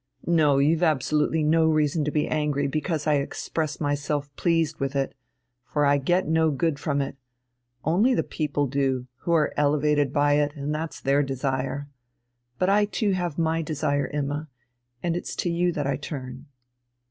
No, you've absolutely no reason to be angry because I express myself pleased with it, for I get no good from it; only the people do, who are elevated by it, and that's their desire. But I too have my desire, Imma, and it's to you that I turn."